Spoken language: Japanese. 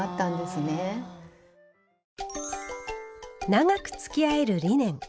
長くつきあえるリネン。